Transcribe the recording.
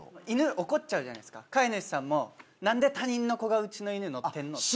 犬怒っちゃうじゃないですか飼い主さんも何で他人の子がうちの犬に乗ってんの？